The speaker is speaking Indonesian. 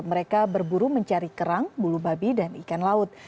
mereka berburu mencari kerang bulu babi dan ikan laut